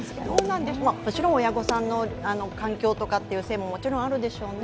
もちろん親御さんの環境とかっていうせいもあるでしょうね。